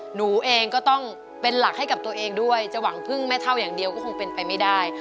หนูเองก็ต้องเป็นหลักให้กับตัวเองด้วยจะหวังพึ่งแม่เท่าอย่างเดียวก็คงเป็นไปไม่ได้